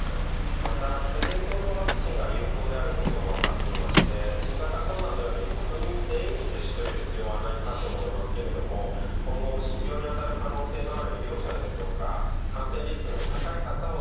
また天然痘のワクチンが有効であることも分かってまして新型コロナのように国民全員に接種の必要はないかと思いますが今後、診療に当たる可能性のある医療者ですとか感染リスクの高い方を